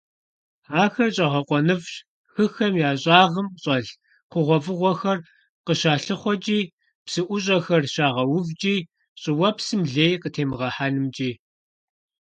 Ахэр щIэгъэкъуэныфIщ хыхэм я щIагъым щIэлъ хъугъуэфIыгъуэхэр къыщалъыхъуэкIи, псы IущIэхэр щагъэувкIи, щIыуэпсым лей къытемыгъэхьэнымкIи.